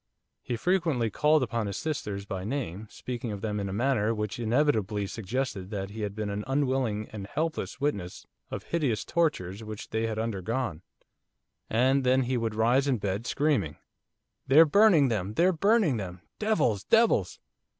He frequently called upon his sisters by name, speaking of them in a manner which inevitably suggested that he had been an unwilling and helpless witness of hideous tortures which they had undergone; and then he would rise in bed, screaming, 'They're burning them! they're burning them! Devils! devils!